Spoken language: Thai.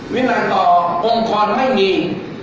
วินัยต่อองค์กรไม่มี